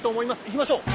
いきましょう！